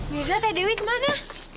mirza teh dewi kemana